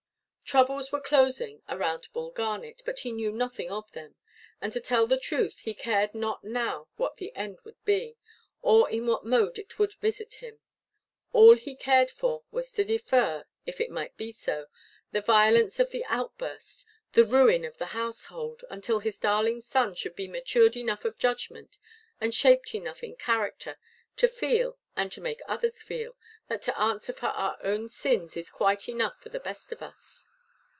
Troubles were closing round Bull Garnet, but he knew nothing of them; and, to tell the truth, he cared not now what the end would be, or in what mode it would visit him. All he cared for was to defer (if it might be so) the violence of the outburst, the ruin of the household, until his darling son should be matured enough of judgment, and shaped enough in character, to feel, and to make others feel, that to answer for our own sins is quite enough for the best of us.